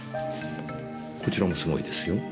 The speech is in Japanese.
こちらもすごいですよ。